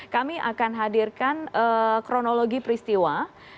kami akan hadirkan kronologi peristiwa